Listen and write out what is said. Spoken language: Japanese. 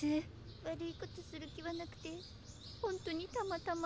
悪いことする気はなくてほんとにたまたま。